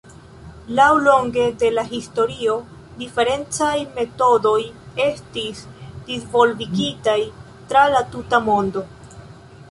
Laŭlonge de la historio, diferencaj metodoj estis disvolvigitaj tra la tuta mondo.